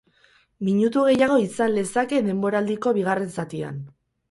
Minutu gehiago izan lezake denboraldiko bigarren zatian.